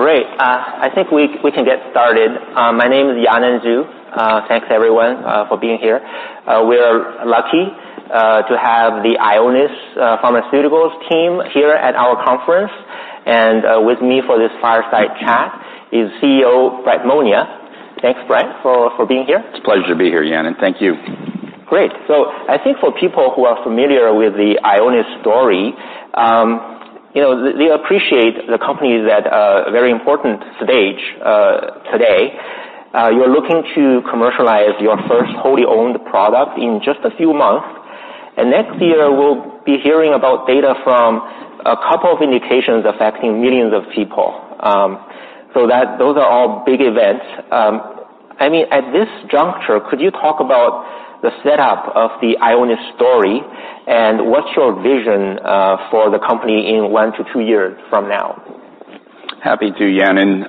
Great. I think we can get started. My name is Yanan Zhu. Thanks, everyone, for being here. We are lucky to have the Ionis Pharmaceuticals team here at our conference. And with me for this fireside chat is CEO Brett Monia. Thanks, Brett, for being here. It's a pleasure to be here, Yanan. Thank you. Great. So I think for people who are familiar with the Ionis story, you know, they appreciate the company is at a very important stage, today. You're looking to commercialize your first wholly owned product in just a few months, and next year, we'll be hearing about data from a couple of indications affecting millions of people. So those are all big events. I mean, at this juncture, could you talk about the setup of the Ionis story, and what's your vision, for the company in one to two years from now? Happy to, Yanan.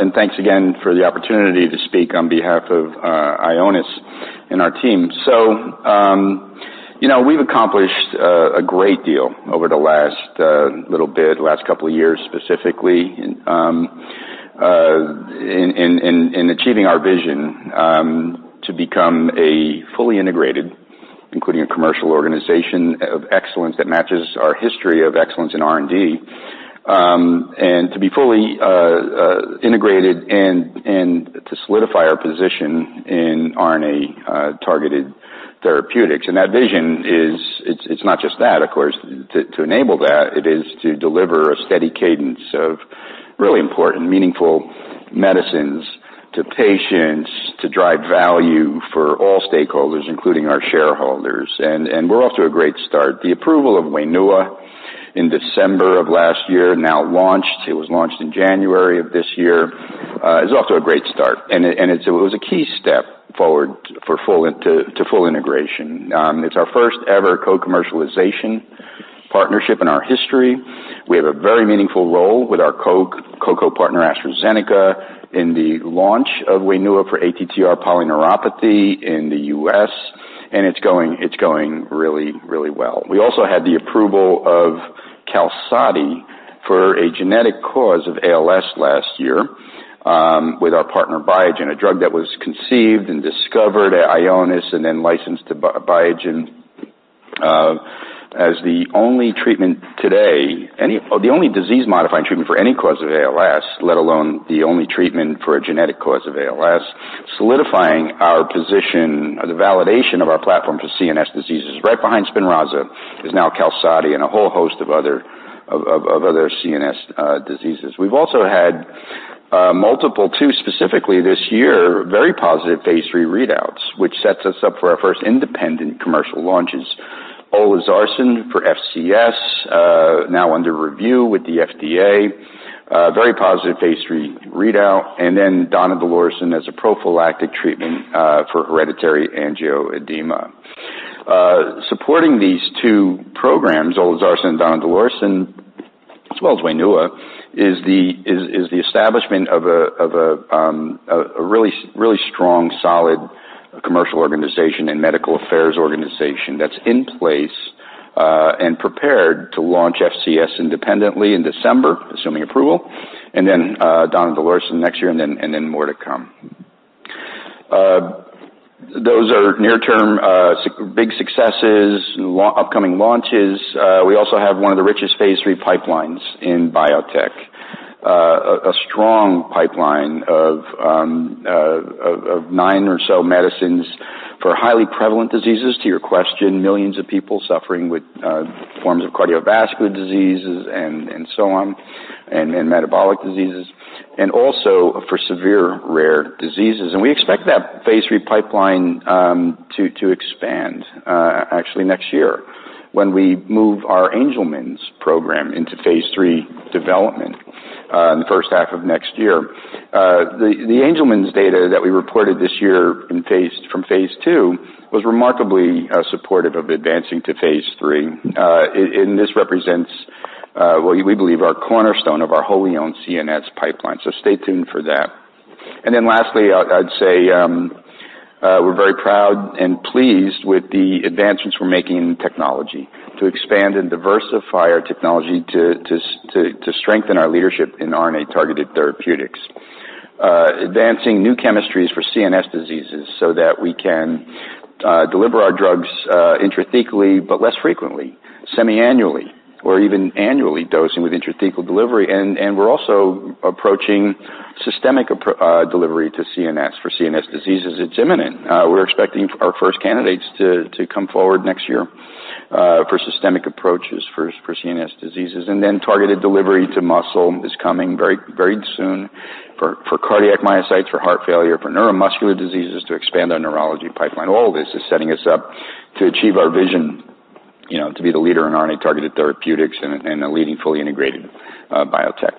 And thanks again for the opportunity to speak on behalf of Ionis and our team. So, you know, we've accomplished a great deal over the last couple of years, specifically, in achieving our vision to become a fully integrated, including a commercial organization of excellence that matches our history of excellence in R&D. And to be fully integrated and to solidify our position in RNA targeted therapeutics. And that vision is. It's not just that, of course. To enable that, it is to deliver a steady cadence of really important, meaningful medicines to patients, to drive value for all stakeholders, including our shareholders. And we're off to a great start. The approval of Wainua in December of last year, now launched, it was launched in January of this year, is off to a great start, and it was a key step forward to full integration. It's our first-ever co-commercialization partnership in our history. We have a very meaningful role with our co-partner, AstraZeneca, in the launch of Wainua for ATTR polyneuropathy in the U.S., and it's going really, really well. We also had the approval of Qalsody for a genetic cause of ALS last year, with our partner, Biogen, a drug that was conceived and discovered at Ionis, and then licensed to Biogen, as the only treatment today, any... Or the only disease-modifying treatment for any cause of ALS, let alone the only treatment for a genetic cause of ALS, solidifying our position, the validation of our platform for CNS diseases. Right behind Spinraza is now Qalsody and a whole host of other CNS diseases. We've also had two specifically this year, very positive Phase III readouts, which sets us up for our first independent commercial launches. Olezarsen for FCS now under review with the FDA, very positive Phase III readout, and then donidalorsen as a prophylactic treatment for hereditary angioedema. Supporting these two programs, olezarsen and donidalorsen, as well as Wainua, is the establishment of a really strong, solid commercial organization and medical affairs organization that's in place and prepared to launch FCS independently in December, assuming approval, and then donidalorsen next year, and then more to come. Those are near-term, such big successes, upcoming launches. We also have one of the richest Phase III pipelines in biotech. A strong pipeline of nine or so medicines for highly prevalent diseases. To your question, millions of people suffering with forms of cardiovascular diseases and so on, and metabolic diseases, and also for severe rare diseases. And we expect that Phase III pipeline to expand actually next year when we move our Angelman's program into Phase III development in the first half of next year. The Angelman's data that we reported this year from Phase II was remarkably supportive of advancing to Phase III. And this represents well, we believe, our cornerstone of our wholly owned CNS pipeline, so stay tuned for that. And then lastly, I'd say we're very proud and pleased with the advancements we're making in technology to expand and diversify our technology to strengthen our leadership in RNA-targeted therapeutics. Advancing new chemistries for CNS diseases so that we can deliver our drugs intrathecally, but less frequently, semiannually, or even annually, dosing with intrathecal delivery. And we're also approaching systemic delivery to CNS for CNS diseases. It's imminent. We're expecting our first candidates to come forward next year for systemic approaches for CNS diseases. And then targeted delivery to muscle is coming very, very soon for cardiac myocytes, for heart failure, for neuromuscular diseases, to expand our neurology pipeline. All this is setting us up to achieve our vision, you know, to be the leader in RNA-targeted therapeutics and a leading fully integrated biotech.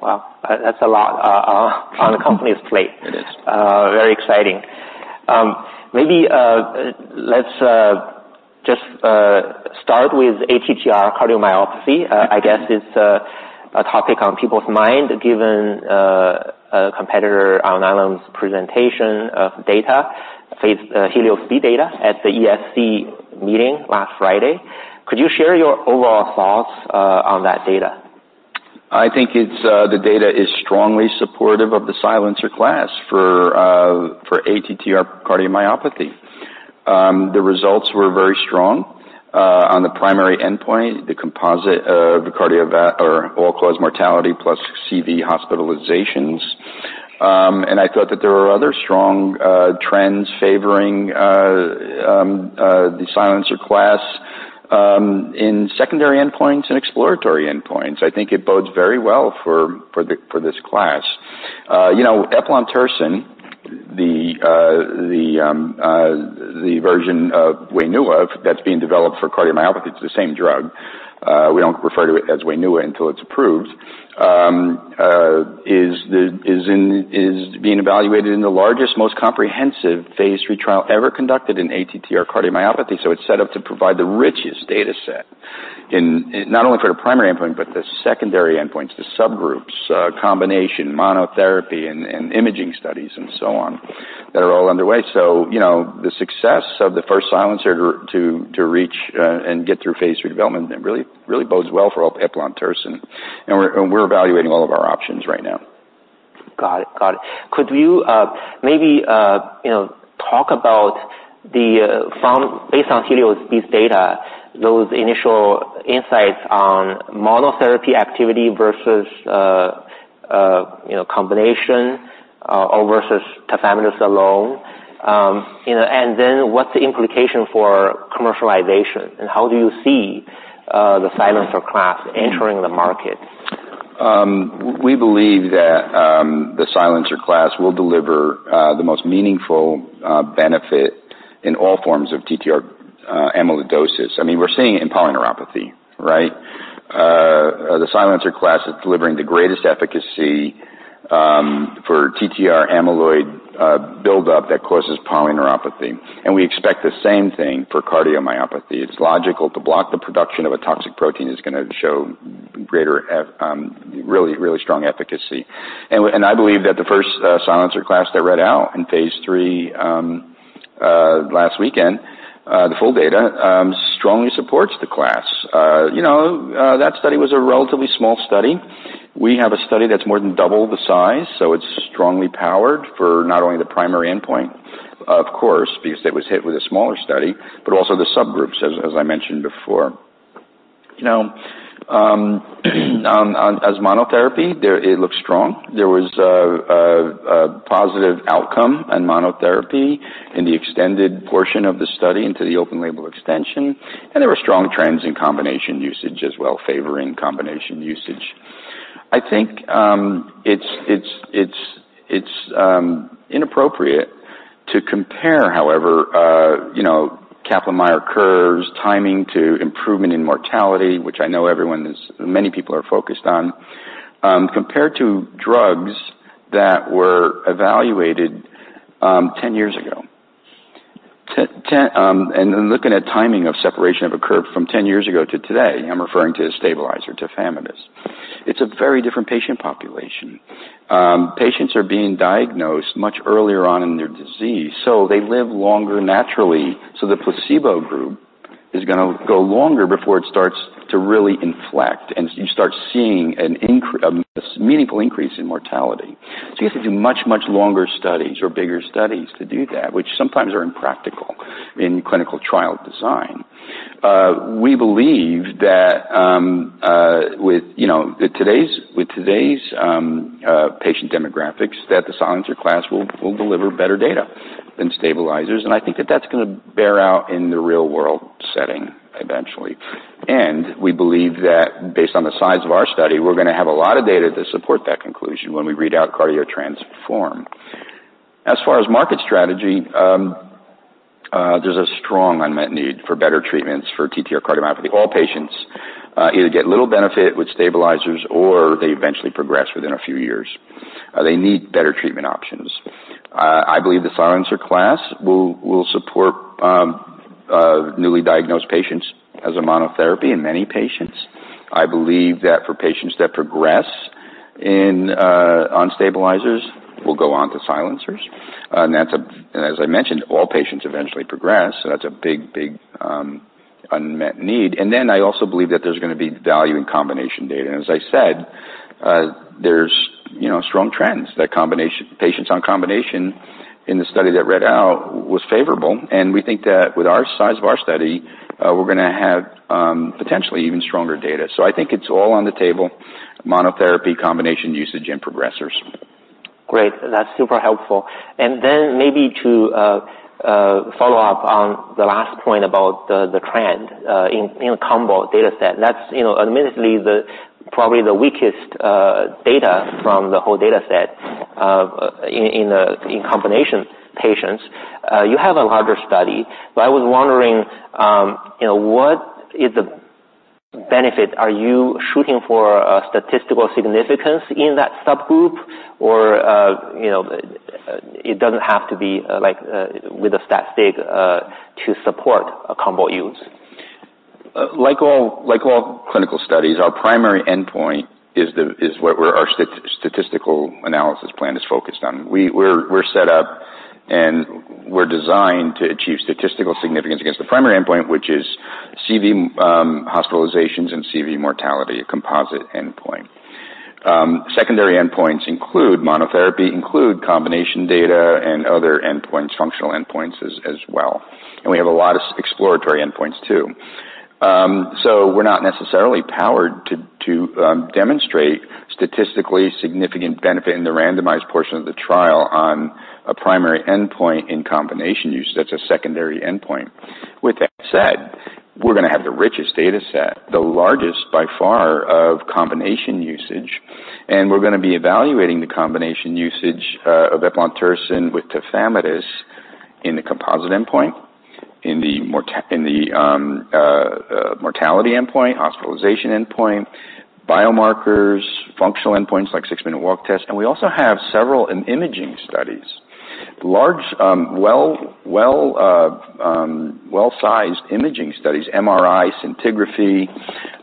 Wow! That's a lot on the company's plate. It is. Very exciting. Maybe let's just start with ATTR cardiomyopathy. I guess it's a topic on people's mind, given a competitor, Alnylam's presentation of data, Phase HELIOS-B data at the ESC meeting last Friday. Could you share your overall thoughts on that data? I think it's the data is strongly supportive of the silencer class for ATTR cardiomyopathy. The results were very strong on the primary endpoint, the composite of the cardiovascular or all-cause mortality, plus CV hospitalizations. I thought that there were other strong trends favoring the silencer class in secondary endpoints and exploratory endpoints. I think it bodes very well for this class. You know, eplontersen, the version of Wainua that's being developed for cardiomyopathy, it's the same drug. We don't refer to it as Wainua until it's approved. It is being evaluated in the largest, most comprehensive Phase III trial ever conducted in ATTR cardiomyopathy. So it's set up to provide the richest data set in, not only for the primary endpoint, but the secondary endpoints, the subgroups, combination, monotherapy and imaging studies and so on, that are all underway. So, you know, the success of the first silencer to reach and get through Phase III development, it really, really bodes well for all eplontersen, and we're evaluating all of our options right now. Got it. Got it. Could you, maybe, you know, talk about based on HELIOS-B data, those initial insights on monotherapy activity versus, you know, combination, or versus tafamidis alone? You know, and then what's the implication for commercialization, and how do you see the silencer class entering the market? We believe that the silencer class will deliver the most meaningful benefit in all forms of TTR amyloidosis. I mean, we're seeing it in polyneuropathy, right? The silencer class is delivering the greatest efficacy for TTR amyloid buildup that causes polyneuropathy, and we expect the same thing for cardiomyopathy. It's logical to block the production of a toxic protein is gonna show really, really strong efficacy. And I believe that the first silencer class that read out in Phase III last weekend, the full data strongly supports the class. You know, that study was a relatively small study. We have a study that's more than double the size, so it's strongly powered for not only the primary endpoint, of course, because it was hit with a smaller study, but also the subgroups, as I mentioned before. You know, as monotherapy, there, it looks strong. There was a positive outcome in monotherapy in the extended portion of the study into the open label extension, and there were strong trends in combination usage as well, favoring combination usage. I think, it's inappropriate to compare, however, you know, Kaplan-Meier curves timing to improvement in mortality, which I know many people are focused on. Compared to drugs that were evaluated 10 years ago, ten, and then looking at timing of separation of a curve from 10 years ago to today, I'm referring to a stabilizer, tafamidis. It's a very different patient population. Patients are being diagnosed much earlier on in their disease, so they live longer naturally. So the placebo group is gonna go longer before it starts to really inflect, and you start seeing a meaningful increase in mortality. So you have to do much, much longer studies or bigger studies to do that, which sometimes are impractical in clinical trial design. We believe that with you know with today's patient demographics, that the silencer class will deliver better data than stabilizers. And I think that that's gonna bear out in the real-world setting eventually. And we believe that based on the size of our study, we're gonna have a lot of data to support that conclusion when we read out CARDIO-TRANSFORM. As far as market strategy, there's a strong unmet need for better treatments for TTR cardiomyopathy. All patients either get little benefit with stabilizers or they eventually progress within a few years. They need better treatment options. I believe the silencer class will support newly diagnosed patients as a monotherapy in many patients. I believe that for patients that progress on stabilizers will go on to silencers. And that's. And as I mentioned, all patients eventually progress, so that's a big unmet need. And then I also believe that there's gonna be value in combination data. And as I said, there's, you know, strong trends that combination patients on combination in the study that read out was favorable, and we think that with our size of our study, we're gonna have potentially even stronger data. So I think it's all on the table: monotherapy, combination usage, and progressors. Great. That's super helpful, and then maybe to follow up on the last point about the trend in combo dataset. That's, you know, admittedly, probably the weakest data from the whole dataset in combination patients. You have a larger study, but I was wondering, you know, what is the benefit? Are you shooting for a statistical significance in that subgroup? Or, you know, it doesn't have to be like with a stat sig to support a combo use. Like all clinical studies, our primary endpoint is where our statistical analysis plan is focused on. We're set up and were designed to achieve statistical significance against the primary endpoint, which is CV hospitalizations and CV mortality, a composite endpoint. Secondary endpoints include monotherapy, combination data and other endpoints, functional endpoints as well. And we have a lot of exploratory endpoints too. So we're not necessarily powered to demonstrate statistically significant benefit in the randomized portion of the trial on a primary endpoint in combination use. That's a secondary endpoint. With that said, we're gonna have the richest data set, the largest, by far, of combination usage, and we're gonna be evaluating the combination usage of eplontersen with tafamidis in the composite endpoint, in the mortality endpoint, hospitalization endpoint, biomarkers, functional endpoints, like six-minute walk test. And we also have several imaging studies. Large, well-sized imaging studies, MRI, scintigraphy,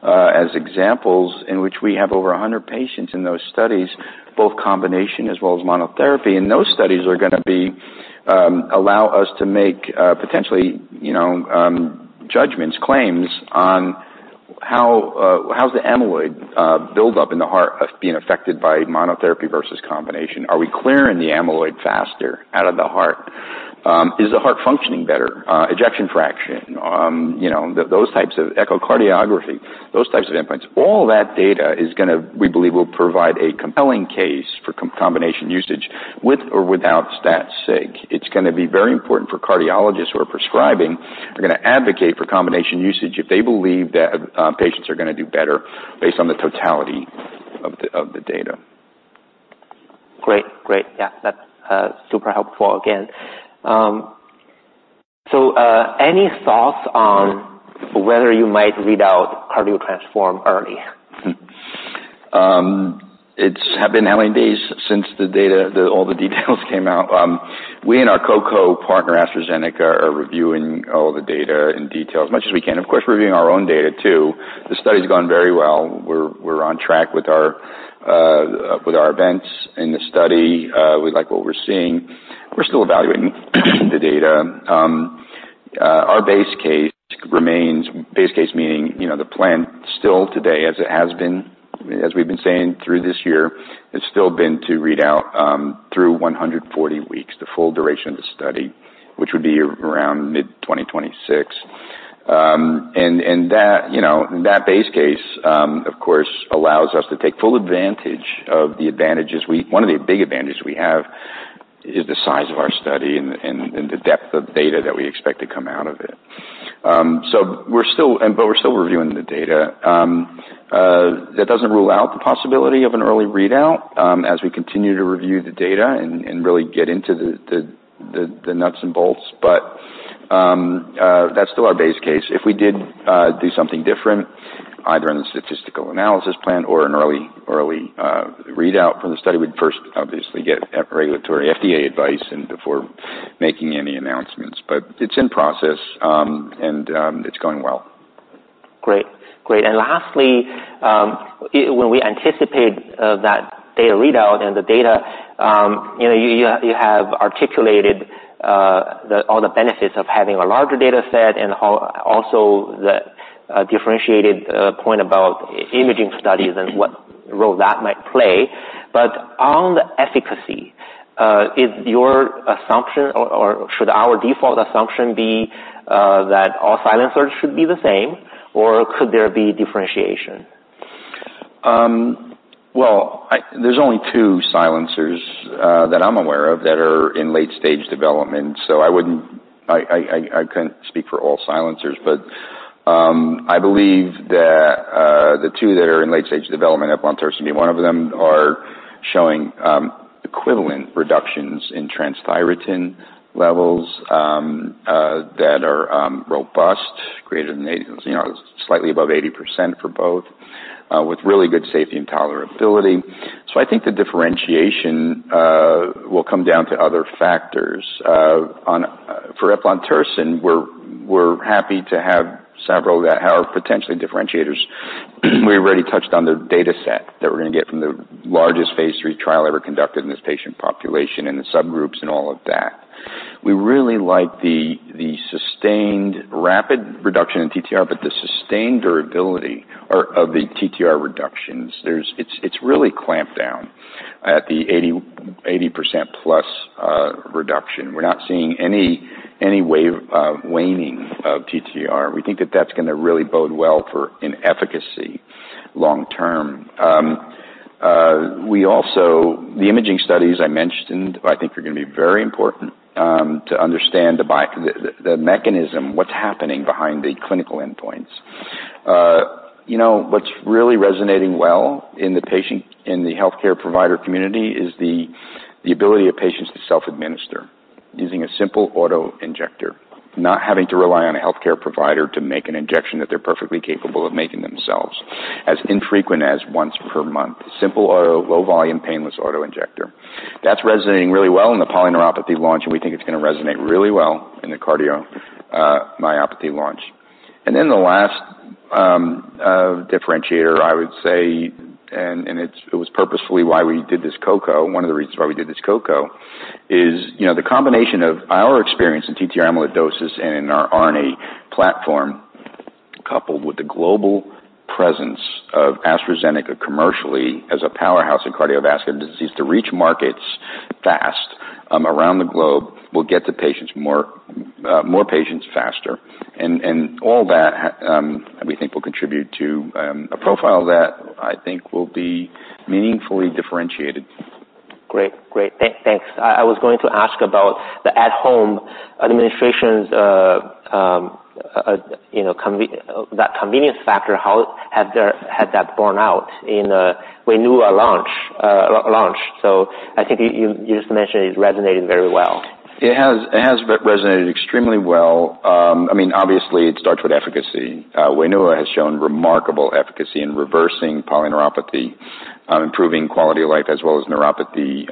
as examples, in which we have over a hundred patients in those studies, both combination as well as monotherapy. And those studies are gonna be allow us to make, potentially, you know, judgments, claims on how, how's the amyloid, build up in the heart of being affected by monotherapy versus combination. Are we clearing the amyloid faster out of the heart? Is the heart functioning better? Ejection fraction, you know, those types of echocardiography, those types of endpoints. All that data is gonna, we believe, will provide a compelling case for combination usage, with or without stat sig. It's gonna be very important for cardiologists who are prescribing, are gonna advocate for combination usage if they believe that, patients are gonna do better based on the totality of the data. Great. Great, yeah, that's super helpful again. So, any thoughts on whether you might read out CARDIO-TRANSFORM early? It's have been how many days since the data, all the details came out? We and our co-partner, AstraZeneca, are reviewing all the data in detail as much as we can. Of course, we're reviewing our own data, too. The study's gone very well. We're on track with our events in the study. We like what we're seeing. We're still evaluating the data. Our base case remains, base case meaning, you know, the plan still today, as it has been, as we've been saying through this year, has still been to read out, through one hundred and forty weeks, the full duration of the study, which would be around mid-2026. And that base case, you know, of course, allows us to take full advantage of the advantages we have. One of the big advantages we have is the size of our study and the depth of data that we expect to come out of it. So we're still... But we're still reviewing the data. That doesn't rule out the possibility of an early readout, as we continue to review the data and really get into the nuts and bolts. But that's still our base case. If we did do something different, either in the statistical analysis plan or an early readout from the study, we'd first obviously get regulatory FDA advice and before making any announcements. But it's in process, and it's going well. Great. Great. And lastly, when we anticipate that data readout and the data, you know, you have articulated all the benefits of having a larger data set and also the differentiated point about imaging studies and what role that might play. But on the efficacy, is your assumption or should our default assumption be that all silencers should be the same, or could there be differentiation? There's only two silencers that I'm aware of that are in late stage development, so I couldn't speak for all silencers, but I believe that the two that are in late stage development, eplontersen being one of them, are showing equivalent reductions in transthyretin levels that are robust, greater than eighty, you know, slightly above 80% for both, with really good safety and tolerability, so I think the differentiation will come down to other factors. For eplontersen, we're happy to have several that are potentially differentiators. We already touched on the data set that we're gonna get from the largest Phase III trial ever conducted in this patient population, and the subgroups and all of that. We really like the sustained rapid reduction in TTR, but the sustained durability of the TTR reductions. It's really clamped down at the 80% plus reduction. We're not seeing any waning of TTR. We think that that's gonna really bode well for efficacy long term. We also, the imaging studies I mentioned, I think are gonna be very important to understand the mechanism, what's happening behind the clinical endpoints. You know, what's really resonating well in the patient, in the healthcare provider community, is the ability of patients to self-administer using a simple auto-injector. Not having to rely on a healthcare provider to make an injection that they're perfectly capable of making themselves, as infrequent as once per month. Simple auto low volume, painless auto-injector. That's resonating really well in the polyneuropathy launch, and we think it's gonna resonate really well in the cardiomyopathy launch. And then the last differentiator, I would say, and it's, it was purposefully why we did this co-co, one of the reasons why we did this co-co, is, you know, the combination of our experience in TTR amyloidosis and in our RNA platform, coupled with the global presence of AstraZeneca commercially as a powerhouse in cardiovascular disease, to reach markets fast, around the globe, will get to patients more, more patients faster. And all that we think will contribute to a profile that I think will be meaningfully differentiated. Great. Great, thanks. I was going to ask about the at-home administration's, you know, that convenience factor. How has that borne out in Wainua launch? So I think you just mentioned it resonated very well. It has resonated extremely well. I mean, obviously it starts with efficacy. Wainua has shown remarkable efficacy in reversing polyneuropathy, improving quality of life as well as neuropathy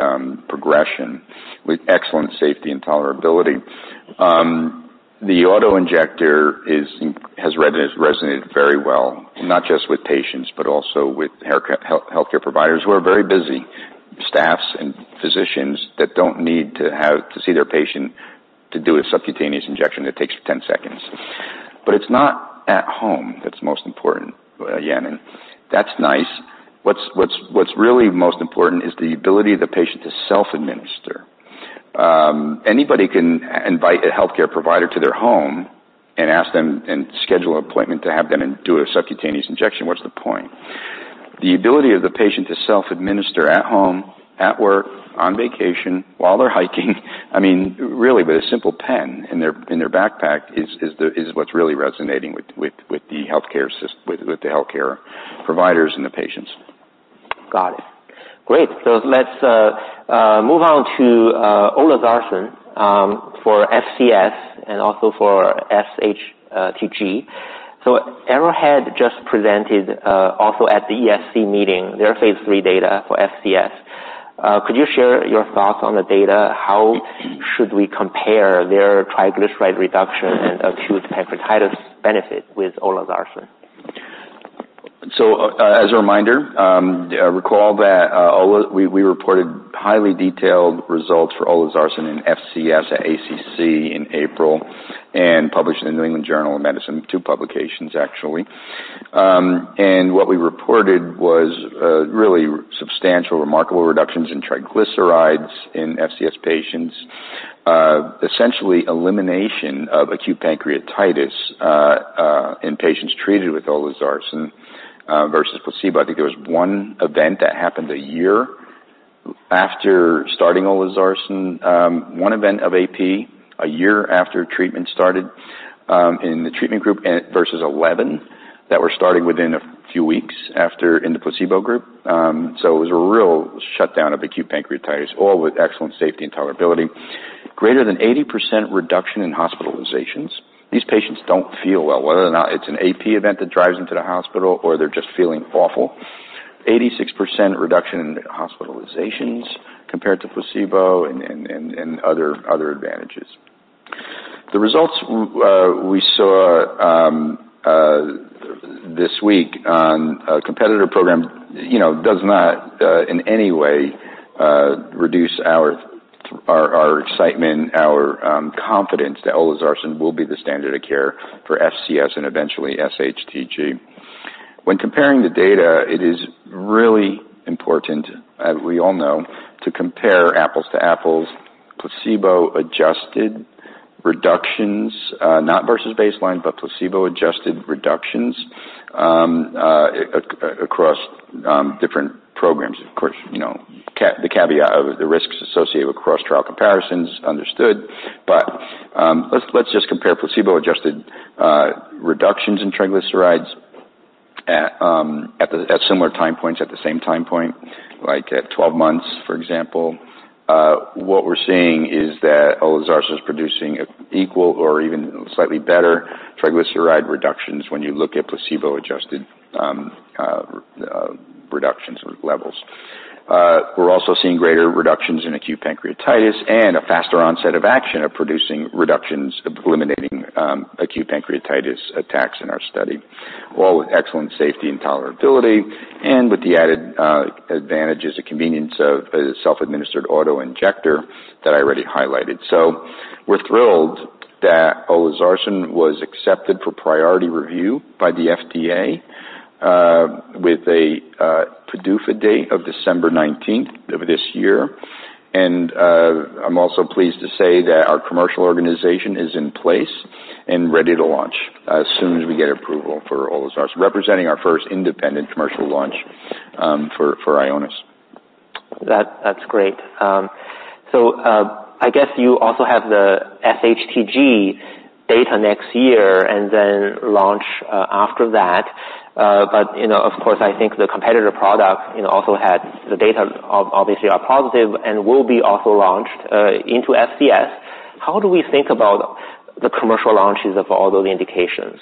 progression, with excellent safety and tolerability. The auto-injector has resonated very well, not just with patients, but also with healthcare providers who are very busy. Staffs and physicians that don't need to have to see their patient to do a subcutaneous injection that takes 10 seconds. But it's not at home that's most important, Yanan. That's nice. What's really most important is the ability of the patient to self-administer. Anybody can invite a healthcare provider to their home and ask them, and schedule an appointment to have them do a subcutaneous injection. What's the point? The ability of the patient to self-administer at home, at work, on vacation, while they're hiking, I mean, really, with a simple pen in their backpack, is what's really resonating with the healthcare providers and the patients. Got it. Great. So let's move on to olezarsen for FCS and also for SHTG. So Arrowhead just presented also at the ESC meeting their Phase III data for FCS. Could you share your thoughts on the data? How should we compare their triglyceride reduction and acute pancreatitis benefit with olezarsen? As a reminder, recall that we reported highly detailed results for olezarsen in FCS at ACC in April, and published in the New England Journal of Medicine, two publications, actually. And what we reported was really substantial, remarkable reductions in triglycerides in FCS patients. Essentially, elimination of acute pancreatitis in patients treated with olezarsen versus placebo. I think there was one event that happened a year after starting olezarsen. One event of AP a year after treatment started in the treatment group, and versus eleven that were starting within a few weeks after in the placebo group. It was a real shutdown of acute pancreatitis, all with excellent safety and tolerability. Greater than 80% reduction in hospitalizations. These patients don't feel well, whether or not it's an AP event that drives them to the hospital or they're just feeling awful. 86% reduction in hospitalizations compared to placebo and other advantages. The results we saw this week on a competitor program, you know, does not in any way reduce our excitement, our confidence that olezarsen will be the standard of care for FCS and eventually SHTG. When comparing the data, it is really important, as we all know, to compare apples to apples, placebo-adjusted reductions, not versus baseline, but placebo-adjusted reductions across different programs. Of course, you know, the caveat of the risks associated with cross-trial comparisons, understood. But let's just compare placebo-adjusted reductions in triglycerides at similar time points, at the same time point, like at 12 months, for example. What we're seeing is that olezarsen is producing equal or even slightly better triglyceride reductions when you look at placebo-adjusted reductions or levels. We're also seeing greater reductions in acute pancreatitis and a faster onset of action of producing reductions, eliminating acute pancreatitis attacks in our study, all with excellent safety and tolerability, and with the added advantages and convenience of a self-administered auto-injector that I already highlighted. So we're thrilled that olezarsen was accepted for priority review by the FDA, with a PDUFA date of December nineteenth of this year. I'm also pleased to say that our commercial organization is in place and ready to launch as soon as we get approval for olezarsen, representing our first independent commercial launch for Ionis. That, that's great. So, I guess you also have the SHTG data next year and then launch, but, you know, of course, I think the competitor product, you know, also had the data obviously are positive and will be also launched into FCS. How do we think about the commercial launches of all those indications?...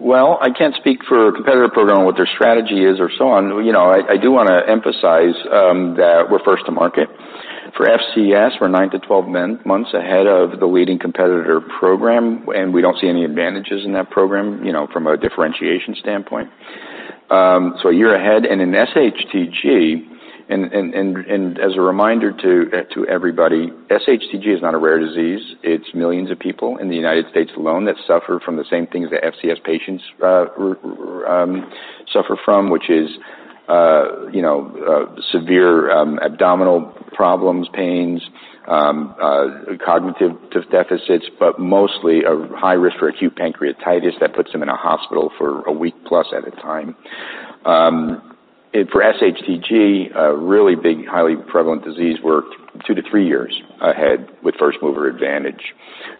Well, I can't speak for a competitor program on what their strategy is or so on. You know, I do wanna emphasize that we're first to market. For FCS, we're 9 to 12 months ahead of the leading competitor program, and we don't see any advantages in that program, you know, from a differentiation standpoint. So a year ahead, and in SHTG, and as a reminder to everybody, SHTG is not a rare disease. It's millions of people in the United States alone that suffer from the same things that FCS patients suffer from, which is, you know, severe abdominal problems, pains, cognitive deficits, but mostly a high risk for acute pancreatitis that puts them in a hospital for a week plus at a time. And for SHTG, a really big, highly prevalent disease, we're two-to-three years ahead with first mover advantage.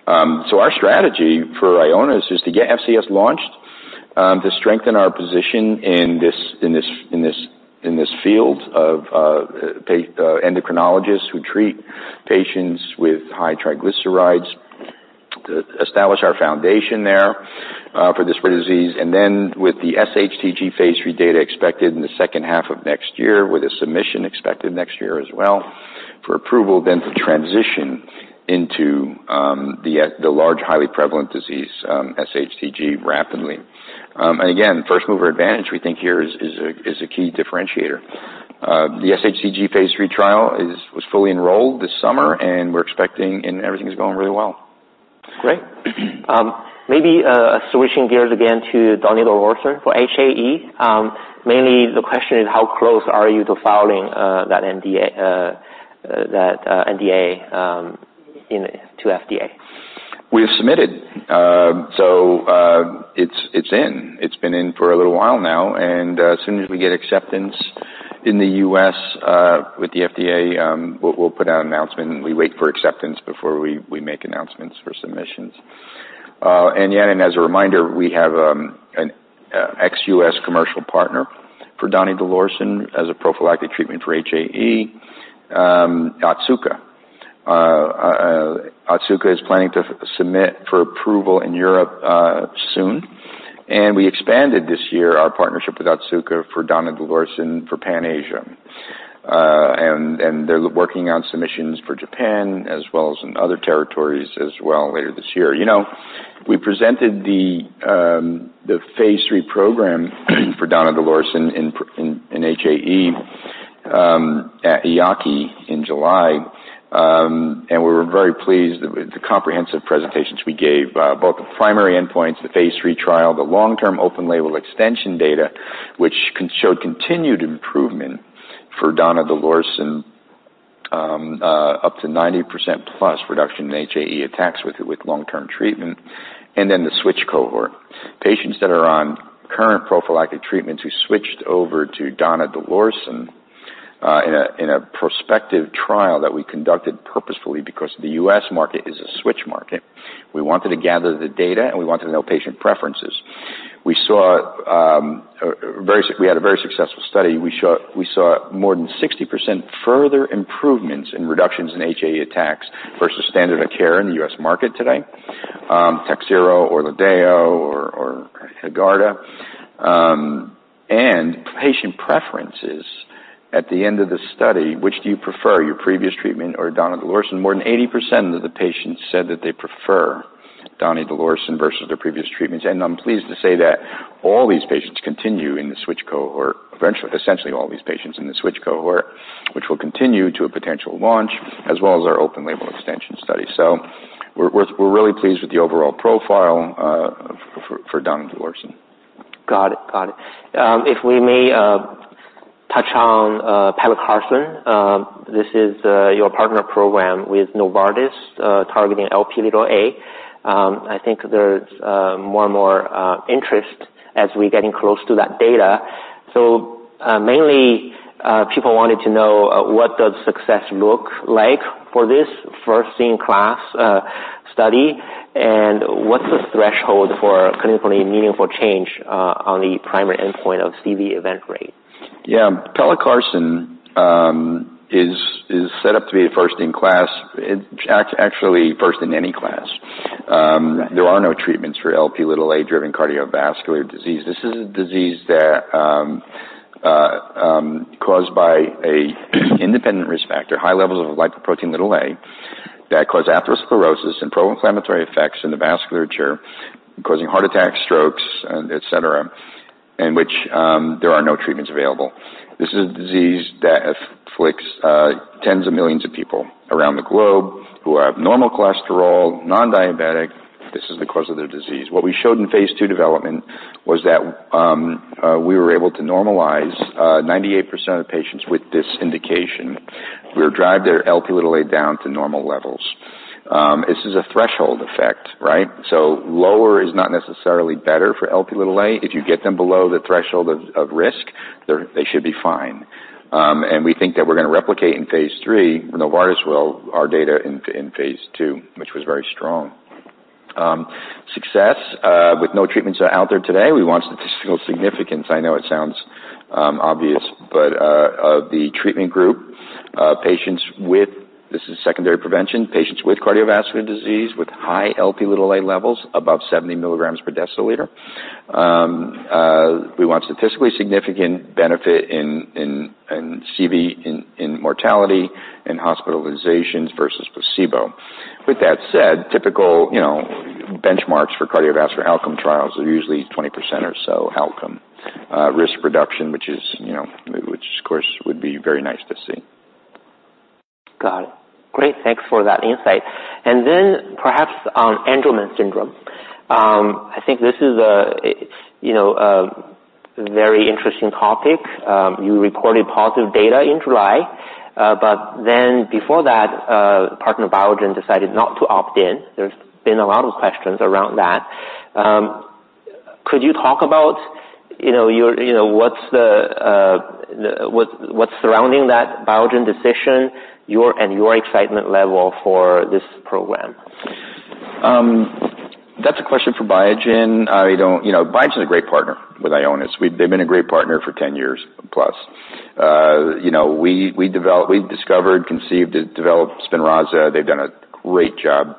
So our strategy for Ionis is to get FCS launched, to strengthen our position in this field of endocrinologists who treat patients with high triglycerides, to establish our foundation there, for this rare disease. And then with the SHTG Phase III data expected in the second half of next year, with a submission expected next year as well for approval, then to transition into the large, highly prevalent disease, SHTG, rapidly. And again, first mover advantage, we think here is a key differentiator. The SHTG Phase III trial was fully enrolled this summer, and we're expecting, and everything's going really well. Great. Maybe switching gears again to donidalorsen for HAE. Mainly the question is: How close are you to filing that NDA into FDA? We have submitted. So, it's in. It's been in for a little while now, and as soon as we get acceptance in the U.S. with the FDA, we'll put out an announcement, and we wait for acceptance before we make announcements for submissions. And as a reminder, we have an ex-U.S. commercial partner for donidalorsen as a prophylactic treatment for HAE, Otsuka. Otsuka is planning to submit for approval in Europe soon. And we expanded this year our partnership with Otsuka for donidalorsen for Pan-Asia. And they're working on submissions for Japan as well as in other territories as well later this year. You know, we presented the Phase III program for donidalorsen in HAE at EAACI in July. And we were very pleased with the comprehensive presentations we gave, both the primary endpoints, the Phase III trial, the long-term open label extension data, which showed continued improvement for donidalorsen, up to 90% plus reduction in HAE attacks with long-term treatment, and then the switch cohort. Patients that are on current prophylactic treatments, who switched over to donidalorsen, in a prospective trial that we conducted purposefully because the U.S. market is a switch market. We wanted to gather the data, and we wanted to know patient preferences. We had a very successful study. We saw more than 60% further improvements in reductions in HAE attacks versus standard of care in the U.S. market today, Takhzyro or Orladeyo or Haegarda. And patient preferences at the end of the study, which do you prefer, your previous treatment or donidalorsen? More than 80% of the patients said that they prefer donidalorsen versus their previous treatments. And I'm pleased to say that all these patients continue in the switch cohort, eventually, essentially all these patients in the switch cohort, which will continue to a potential launch, as well as our open label extension study. So we're really pleased with the overall profile for donidalorsen. Got it. Got it. If we may touch on pelicarsen. This is your partner program with Novartis, targeting Lp(a). I think there's more and more interest as we're getting close to that data. So mainly people wanted to know what does success look like for this first-in-class study? And what's the threshold for clinically meaningful change on the primary endpoint of CV event rate? Yeah, pelicarsen is set up to be a first in class. It actually first in any class. Right. There are no treatments for Lp(a)-driven cardiovascular disease. This is a disease that, caused by an independent risk factor, high levels of lipoprotein(a), that cause atherosclerosis and pro-inflammatory effects in the vasculature, causing heart attacks, strokes, and et cetera, and which, there are no treatments available. This is a disease that afflicts, tens of millions of people around the globe who have normal cholesterol, non-diabetic. This is the cause of their disease. What we showed in Phase 2 development was that, we were able to normalize, 98% of patients with this indication, we drive their Lp(a) down to normal levels. This is a threshold effect, right? So lower is not necessarily better for Lp(a). If you get them below the threshold of risk, they should be fine. And we think that we're gonna replicate in Phase III, Novartis will, our data in Phase II, which was very strong. Success with no treatments out there today, we want statistical significance. I know it sounds obvious, but the treatment group patients with, this is secondary prevention, patients with cardiovascular disease, with high Lp(a) levels above 70 mg/dL. We want statistically significant benefit in CV mortality and hospitalizations versus placebo. With that said, typical, you know, benchmarks for cardiovascular outcome trials are usually 20% or so outcome risk reduction, which is, you know, which of course, would be very nice to see. Got it. Great, thanks for that insight. And then perhaps on Angelman syndrome. I think this is, you know, a very interesting topic. You reported positive data in July, but then before that, partner Biogen decided not to opt in. There's been a lot of questions around that. Could you talk about, you know, your, you know, what's surrounding that Biogen decision, and your excitement level for this program? That's a question for Biogen. I don't... You know, Biogen is a great partner with Ionis. They've been a great partner for 10 years plus. You know, we developed, we discovered, conceived, and developed Spinraza. They've done a great job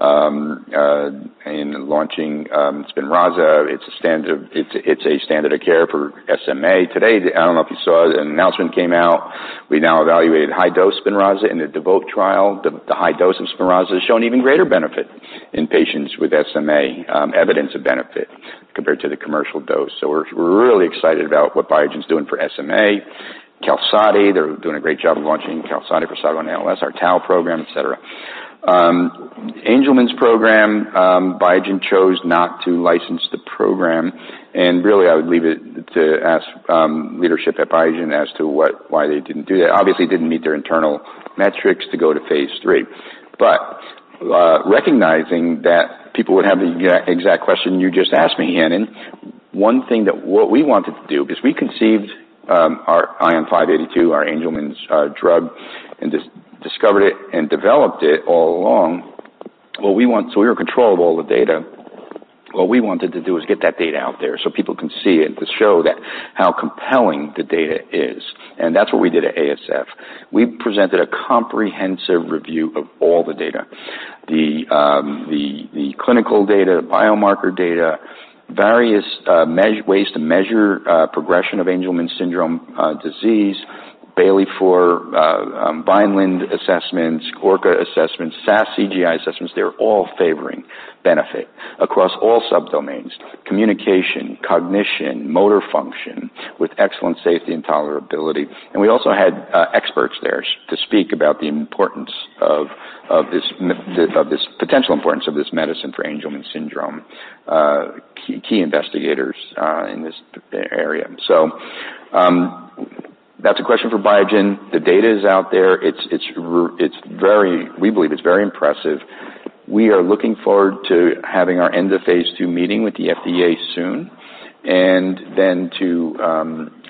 in launching Spinraza. It's a standard, it's a standard of care for SMA. Today, I don't know if you saw, an announcement came out. We now evaluated high-dose Spinraza in the DEVOTE trial. The high dose of Spinraza has shown even greater benefit in patients with SMA, evidence of benefit compared to the commercial dose. So we're really excited about what Biogen is doing for SMA. Qalsody, they're doing a great job of launching Qalsody for SOD1 ALS, our tau program, et cetera. Angelman’s program, Biogen chose not to license the program, and really I would leave it to leadership at Biogen as to why they didn't do that. Obviously, it didn't meet their internal metrics to go to Phase III. Recognizing that people would have the exact question you just asked me, Yanan, one thing, what we wanted to do, because we conceived our ION582, our Angelman’s drug, and discovered it and developed it all along, what we wanted. So we were in control of all the data. What we wanted to do was get that data out there so people can see it, to show how compelling the data is. And that's what we did at ASF. We presented a comprehensive review of all the data. The clinical data, the biomarker data, various ways to measure progression of Angelman syndrome disease, Bayley-4, Vineland assessments, ORCA assessments, SAS-CGI assessments, they're all favoring benefit across all subdomains: communication, cognition, motor function, with excellent safety and tolerability. And we also had experts there to speak about the importance of this potential importance of this medicine for Angelman syndrome, key investigators in this area. That's a question for Biogen. The data is out there. It's very-- we believe it's very impressive. We are looking forward to having our end of Phase II meeting with the FDA soon, and then to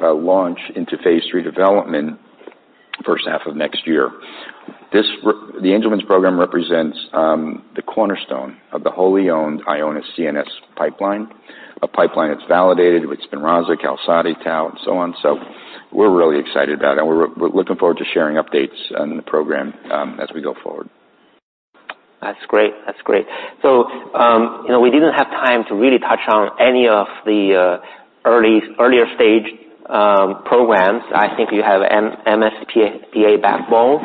launch into Phase III development first half of next year. The Angelman’s program represents the cornerstone of the wholly owned Ionis CNS pipeline. A pipeline that's validated with Spinraza, Qalsody, tau, and so on, so we're really excited about it, and we're looking forward to sharing updates on the program as we go forward. That's great. That's great. So, you know, we didn't have time to really touch on any of the earlier stage programs. I think you have MsPA backbone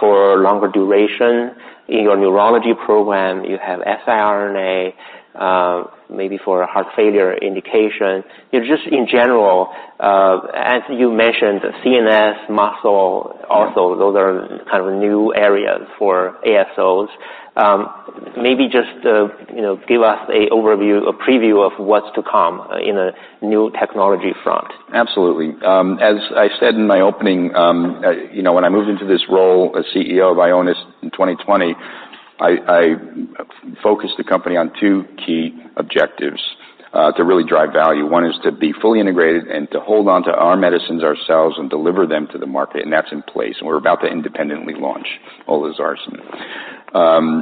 for longer duration. In your neurology program, you have siRNA, maybe for a heart failure indication. You know just in general, as you mentioned, CNS, muscle, also, those are kind of new areas for ASOs. Maybe just, you know, give us a overview, a preview of what's to come in the new technology front. Absolutely. As I said in my opening, you know, when I moved into this role as CEO of Ionis in 2020, I focused the company on two key objectives to really drive value. One is to be fully integrated and to hold on to our medicines ourselves and deliver them to the market, and that's in place, and we're about to independently launch olezarsen,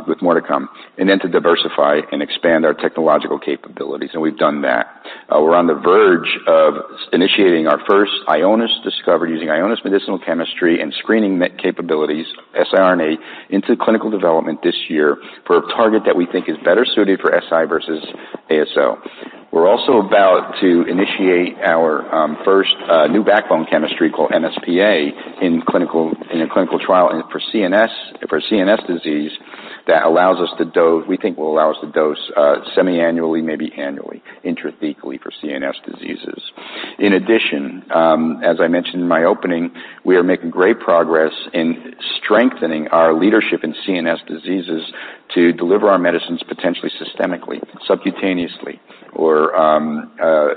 with more to come. And then to diversify and expand our technological capabilities, and we've done that. We're on the verge of initiating our first Ionis discovery, using Ionis medicinal chemistry and screening methods capabilities, siRNA, into clinical development this year for a target that we think is better suited for SI versus ASO. We're also about to initiate our first new backbone chemistry called MsPA in a clinical trial for CNS disease that allows us to dose, we think will allow us to dose semiannually, maybe annually, intrathecally for CNS diseases. In addition, as I mentioned in my opening, we are making great progress in strengthening our leadership in CNS diseases to deliver our medicines potentially systemically, subcutaneously, or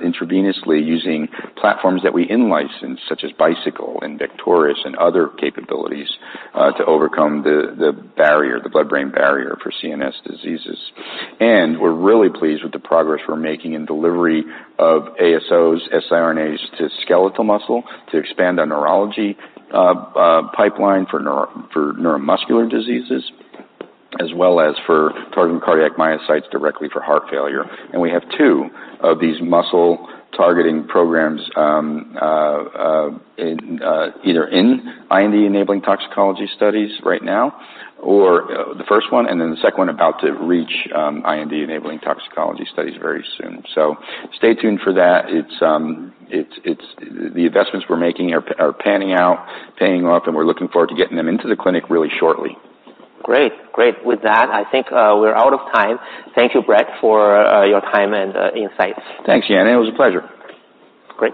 intravenously, using platforms that we in-license, such as Bicycle and vectors and other capabilities, to overcome the blood-brain barrier for CNS diseases. We're really pleased with the progress we're making in delivery of ASOs, siRNAs to skeletal muscle to expand our neurology pipeline for neuromuscular diseases, as well as for targeting cardiac myocytes directly for heart failure. And we have two of these muscle-targeting programs in either IND-enabling toxicology studies right now, or the first one, and then the second one about to reach IND-enabling toxicology studies very soon. Stay tuned for that. It's the investments we're making that are panning out, paying off, and we're looking forward to getting them into the clinic really shortly. Great. Great. With that, I think, we're out of time. Thank you, Brett, for your time and insights. Thanks, Yanan. It was a pleasure. Great.